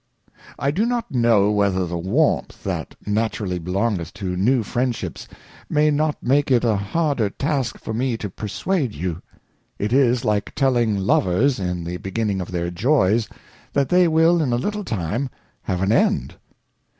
I do not know whether the Warmth that naturally belongeth to new Friendships, may not make it a harder Task for me to ^ perswade you. It is like telling Lovers, in the beginning ofjj their Joys, that they will in a little time have an end.